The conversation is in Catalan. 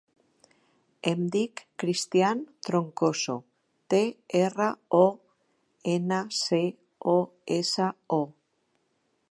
Em dic Cristián Troncoso: te, erra, o, ena, ce, o, essa, o.